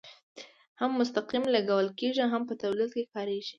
هم مستقیم لګول کیږي او هم په تولید کې کاریږي.